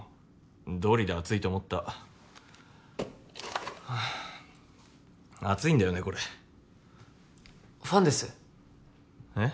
どうりで暑いと思った暑いんだよねこれファンですえっ？